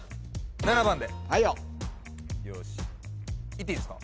７番でよーしはいよ言っていいですか？